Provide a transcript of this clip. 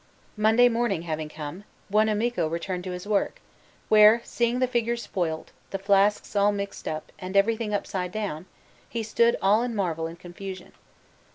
Monday morning having come, Buonamico returned to his work, where, seeing the figures spoilt, the flasks all mixed up, and everything upside down, he stood all in marvel and confusion.